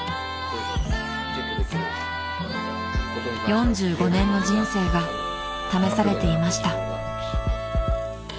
［４５年の人生が試されていました］